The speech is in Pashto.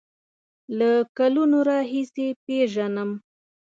له کلونو راهیسې پیژنم.